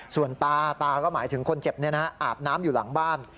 ส่วนตาตาก็หมายถึงคนเจ็บอาบน้ำอยู่หลังบ้าน